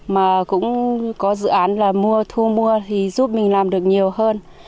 mà cũng có dự án là mua thu mua thì giúp mình làm được nhiều hơn